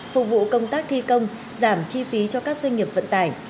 phục vụ công tác thi công giảm chi phí cho các doanh nghiệp vận tải